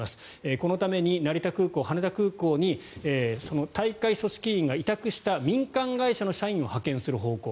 このために成田空港、羽田空港に大会組織委が委託した民間会社の社員を派遣する方向。